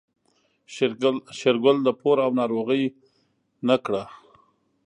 شېرګل د پور او ناروغۍ نه کړه.